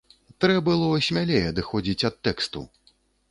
Трэ' было смялей адыходзіць ад тэксту.